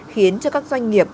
khiến cho các doanh nghiệp